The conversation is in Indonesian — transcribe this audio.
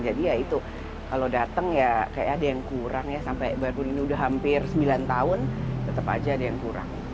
jadi ya itu kalau datang ya kayak ada yang kurang ya sampai baru ini udah hampir sembilan tahun tetep aja ada yang kurang